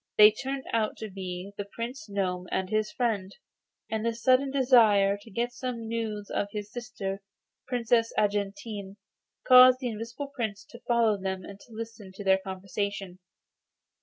They turned out to be the Prince Gnome and his friend, and the sudden desire to get some news of his sister, Princess Argentine, caused the Invisible Prince to follow them and to listen to their conversation.